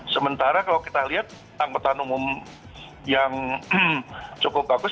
sementara kalau kita lihat angkutan umum yang cukup bagus